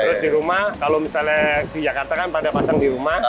terus di rumah kalau misalnya di jakarta kan pada pasang di rumah